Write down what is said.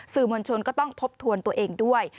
มวลชนก็ต้องทบทวนตัวเองด้วย